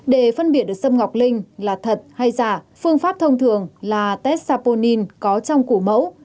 để phân biệt được sâm ngọc linh là thật hay giả phương pháp thông thường là test saponin có trong củ mẫu